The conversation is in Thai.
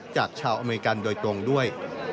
จากชาวอเมริกันโดยตรงด้วย